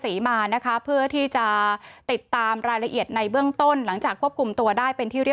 เอาล่ะค่ะเป็นข้อมูลเบื้องต้น